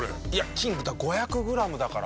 金５００グラムだから。